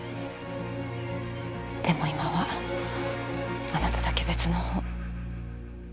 でも今はあなただけ別のほう。